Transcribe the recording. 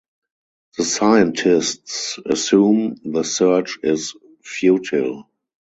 The scientists assume the search is futile.